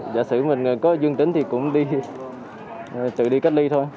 nếu có dương tính thì cũng tự đi cách ly thôi